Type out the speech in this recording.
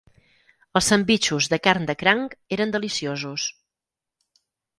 Els sandvitxos de carn de cranc eren deliciosos.